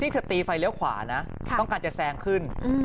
นี่เธอตีไฟเลี้ยวขวานะต้องการจะแซงขึ้น